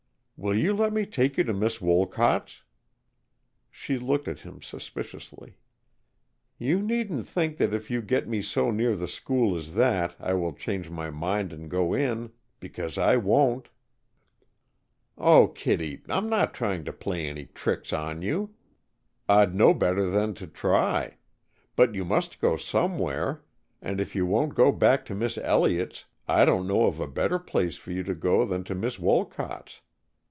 "Will you let me take you to Miss Wolcott's?" She looked at him suspiciously. "You needn't think that if you get me so near the school as that, I will change my mind and go in. Because I won't." "Oh, Kittie, I'm not trying to play any tricks on you! I'd know better than to try! But you must go somewhere, and if you won't go back to Miss Elliott's, I don't know of a better place for you to go than to Miss Wolcott's.